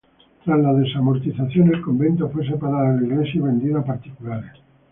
Tras la Desamortización el convento fue separado de la iglesia y vendido a particulares.